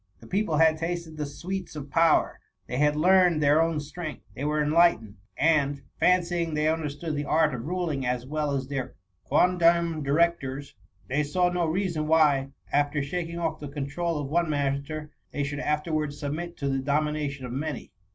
The people had tasted the sweets of power, they had learned their own strength, they were enlightened; and, THE MOMMY. 5 fancying they understood the art of ruling as well as their quondam directors, they saw no reason why, after shaking off the control of one master, they should afterwards submit to the domination of many.